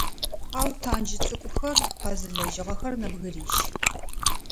Ау тандж цӏыкӏухэр къэзылэжьыгъэхэр нэбгырищ.